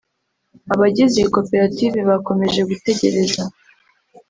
Abagize iyi koperative bakomeje gutegereza